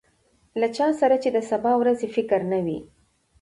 له چا سره چې د سبا ورځې فکر نه وي.